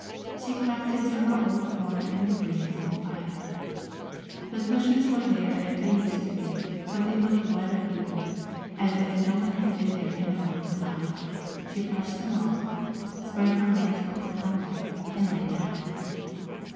She crept into her old corner in the greenness and quiet. The cushions were there as they used to be, but they looked weather beaten, as if no one had been there in a long time. She brushed them off, spread her mantle upon them, and lay down.